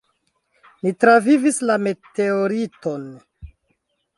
"Ni travivis la meteoriton."